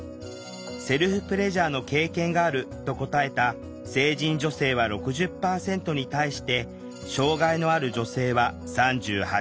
セルフプレジャーの経験があると答えた成人女性は６０％に対して障害のある女性は３８％。